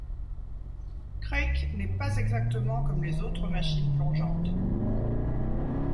Krake n'est pas exactement comme les autres machines plongeantes.